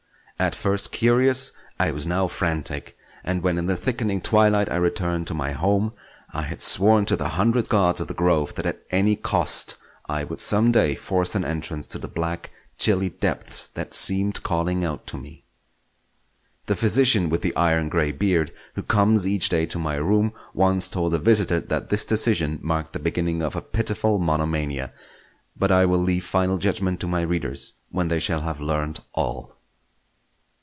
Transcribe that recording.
At first curious, I was now frantic; and when in the thickening twilight I returned to my home, I had sworn to the hundred gods of the grove that at any cost I would some day force an entrance to the black, chilly depths that seemed calling out to me. The physician with the iron grey beard who comes each day to my room once told a visitor that this decision marked the beginning of a pitiful monomania; but I will leave final judgment to my readers when they shall have learnt all.